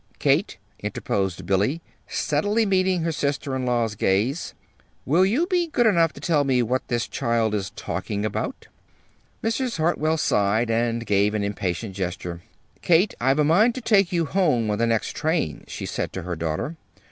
"Kate," interposed Billy, steadily meeting her sister in law's gaze, "will you be good enough to tell me what this child is talking about?" Mrs. Hartwell sighed, and gave an impatient gesture. "Kate, I've a mind to take you home on the next train," she said to her daughter.